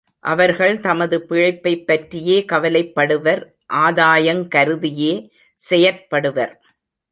அவர்கள் தமது பிழைப்பைப் பற்றியே கவலைப்படுவர், ஆதாயங் கருதியே செயற்படுவர்.